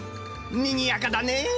にぎやかだねえ！